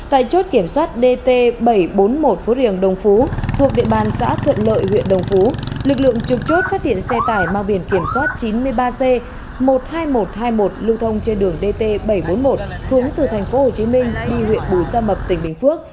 tại trốt kiểm soát dt bảy trăm bốn mươi một phú riềng đồng phú thuộc địa bàn xã thuận lợi huyện đồng phú lực lượng trục trốt phát hiện xe tải mang biển kiểm soát chín mươi ba c một mươi hai nghìn một trăm hai mươi một lưu thông trên đường dt bảy trăm bốn mươi một hướng từ thành phố hồ chí minh đi huyện bù sa mập tỉnh bình phước